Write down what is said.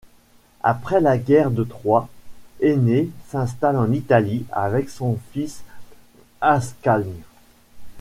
Après la guerre de Troie, Énée s’installe en Italie, avec son fils Ascagne.